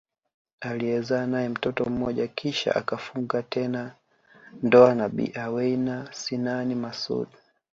Aliyezaa nae mtoto mmoja kisha akafunga tena ndoa na Bi Aweina Sinani Masoud